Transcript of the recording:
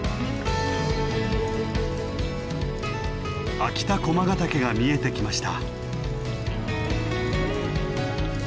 秋田駒ヶ岳が見えてきました。